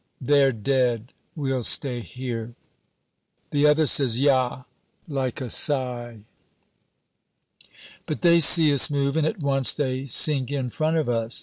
(They're dead. We'll stay here.) The other says, "Ja," like a sigh. But they see us move, and at once they sink in front of us.